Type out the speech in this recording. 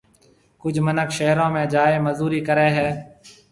ڪجھ مِنک شھرون ۾ جائيَ مزوري ڪرَي ھيََََ